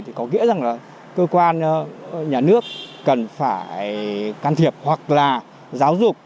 thì có nghĩa rằng là cơ quan nhà nước cần phải can thiệp hoặc là giáo dục